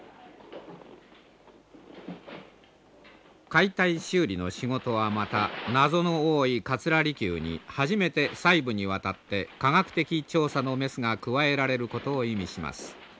解体修理の仕事はまた謎の多い桂離宮に初めて細部にわたって科学的調査のメスが加えられることを意味します。